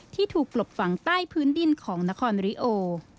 ที่ถูกกลบฝังใต้พื้นดินของนครริโอ